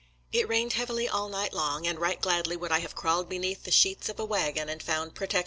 It rained heavily all night long, and right gladly would I have crawled be neath the sheets of a wagon and found protection J.